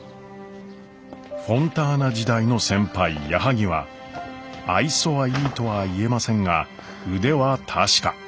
フォンターナ時代の先輩矢作は愛想はいいとは言えませんが腕は確か。